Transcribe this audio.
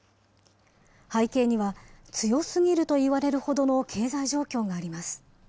背景には、強すぎると言われるほどの経済状況があります。